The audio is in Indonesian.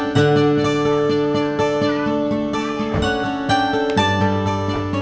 biar sama saya aja teh